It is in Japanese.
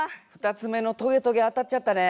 ２つ目のトゲトゲ当たっちゃったね。